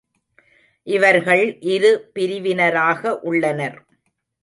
இவர்கள் இரு பிரிவினராக உள்ளனர்.